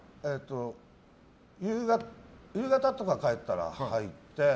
夕方とか帰ったら風呂入って